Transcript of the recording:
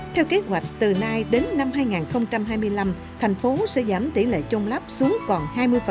theo kế hoạch từ nay đến năm hai nghìn hai mươi năm thành phố sẽ giảm tỷ lệ chôn lắp xuống còn hai mươi